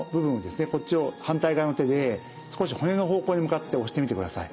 こっちを反対側の手で少し骨の方向に向かって押してみてください。